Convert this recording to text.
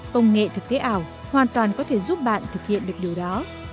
công nghệ thực tế ảo hoàn toàn có thể giúp bạn thực hiện được điều đó